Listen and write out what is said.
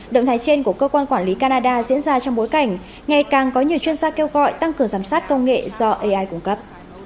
động thái trên của cơ quan quản lý canada diễn ra trong bối cảnh ngày càng có nhiều chuyên gia kêu gọi tăng cường giám sát công nghệ do ai cung cấp